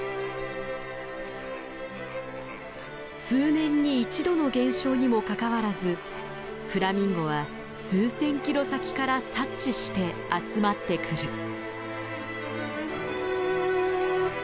数年に一度の現象にもかかわらずフラミンゴは数千キロ先から察知して集まってくる。